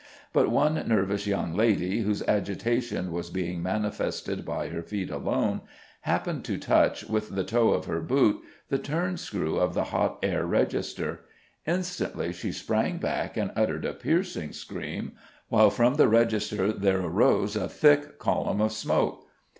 But one nervous young lady, whose agitation was being manifested by her feet alone, happened to touch with the toe of her boot the turn screw of the hot air register. Instantly she sprang back and uttered a piercing scream, while from the register there arose a thick column of smoke.